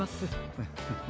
ウフフフ。